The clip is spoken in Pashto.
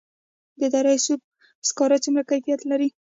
د دره صوف سکاره څومره کیفیت لري؟